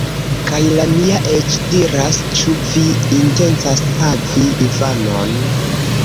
Kaj la mia eĉ diras "Ĉu vi intencas havi infanon?"